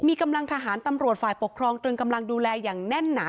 มีกำลังทหารตำรวจฝ่ายปกครองตรึงกำลังดูแลอย่างแน่นหนา